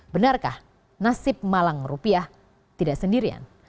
benarkah nasib malang rupiah tidak sendirian